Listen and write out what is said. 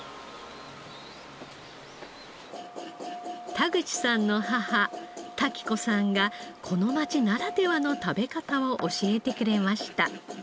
田口さんの母多喜子さんがこの町ならではの食べ方を教えてくれました。